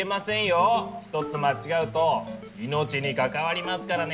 ひとつ間違うと命に関わりますからね！